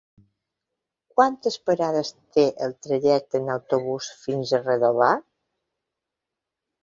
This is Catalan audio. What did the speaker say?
Quantes parades té el trajecte en autobús fins a Redovà?